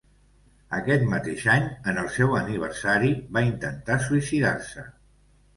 Aquest mateix any, en el seu aniversari va intentar suïcidar-se.